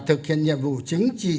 thực hiện nhiệm vụ chính trị